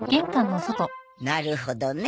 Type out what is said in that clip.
なるほどね。